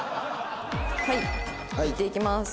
はい言っていきます。